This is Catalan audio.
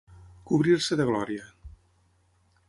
Cobrir-se de glòria.